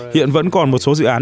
hiện vẫn còn một số dự án